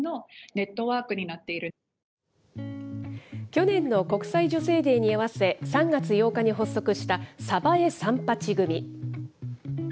去年の国際女性デーに合わせ、３月８日に発足した、さばえ３８組。